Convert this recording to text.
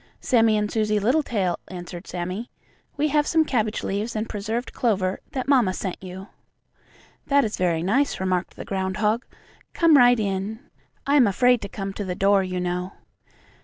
"Sammie and Susie Littletail," answered Sammie. "We have some cabbage leaves and preserved clover that mamma sent you." "That is very nice," remarked the groundhog. "Come right in. I am afraid to come to the door, you know."